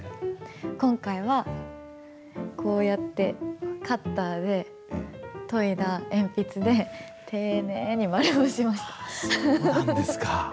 今回はこうやってカッターで研いだ鉛筆で、そうなんですか。